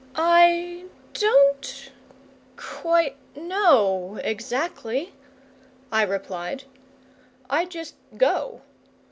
"I don't quite know exactly," I replied. "I just go.